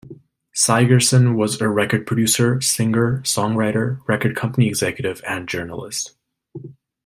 Sigerson was a record producer, singer, songwriter, record company executive, and journalist.